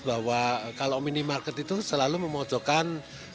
bahwa kalau minimarket itu selalu memojokkan